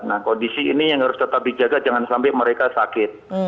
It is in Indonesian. nah kondisi ini yang harus tetap dijaga jangan sampai mereka sakit